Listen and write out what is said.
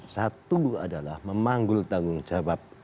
satu adalah memanggul tanggung jawab